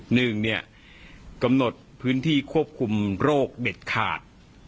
หนึ่งเนี่ยกำหนดพื้นที่ควบคุมโรคเด็ดขาด